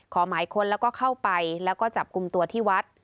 ขอหมายค้นแล้วก็เข้าไปแล้วก็จับกลุ่มตัวที่วัด